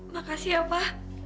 makasih ya pa